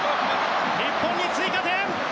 日本に追加点！